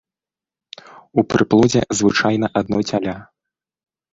У прыплодзе звычайна адно цяля.